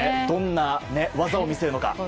どんな技を見せるのか